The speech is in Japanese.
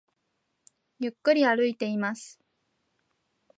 ゆっくり歩いています